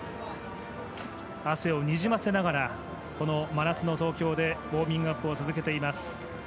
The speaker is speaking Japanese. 汗をにじませながらこの真夏の東京でウォーミングアップを続けています。